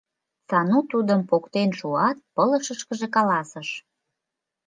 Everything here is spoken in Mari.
Сану тудым поктен шуат, пылышышкыже каласыш: